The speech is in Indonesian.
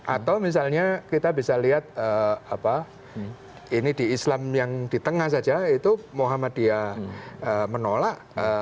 atau misalnya kita bisa lihat ini di islam yang di tengah saja itu muhammadiyah menolak